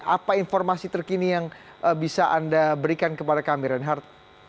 apa informasi terkini yang bisa anda berikan kepada kami reinhardt